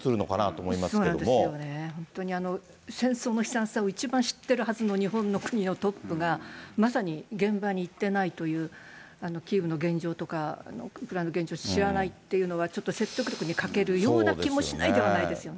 そうなんですよね、本当に戦争の悲惨さを一番知ってるはずの日本の国のトップが、まさに現場に行ってないという、キーウの現状とか、ウクライナの現状を知らないというのは、ちょっと説得力に欠けるような気はしないでもないですよね。